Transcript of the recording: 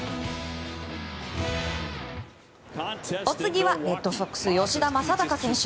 お次はレッドソックス、吉田正尚選手。